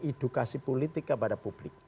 edukasi politik kepada publik